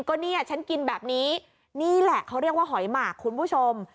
ก็เนี่ยฉันกินแบบนี้นี่แหละเขาเรียกว่าหอยหมากคุณผู้ชม